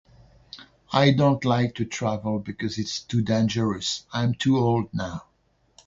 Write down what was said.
I don't like to travel because it's too dangerous. I'm too old now.